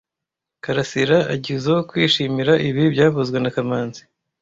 Karasira agizoe kwishimira ibi byavuzwe na kamanzi